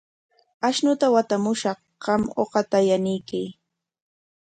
Ashnuta watamushaq, qam uqata yanuykan.